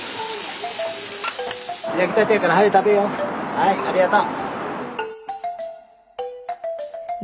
はいありがとう。